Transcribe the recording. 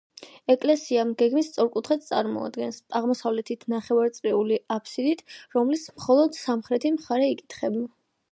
ეკლესია გეგმით სწორკუთხედს წარმოადგენს, აღმოსავლეთით ნახევარწრიული აბსიდით, რომლის მხოლოდ სამხრეთი მხარე იკითხება.